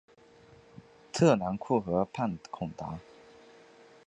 特兰库河畔孔达。